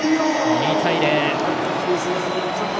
２対０。